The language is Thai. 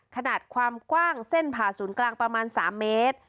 ขนาดความกว้างเส้นผ่าศูนย์กลางประมาณ๓เมตร